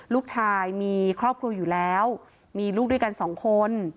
ลูกชายมีครอบครัวอยู่แล้วมีลูกด้วยกันสองคน